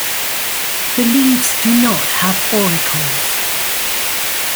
The leaves do not have auricles.